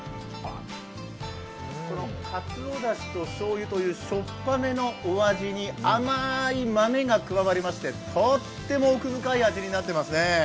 このかつおだしとしょうゆというしょっぱめの汁に甘い豆が加わりまして、とっても奥深い味になっていますね。